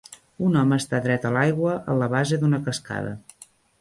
Un home està dret a l'aigua en la base d'una cascada.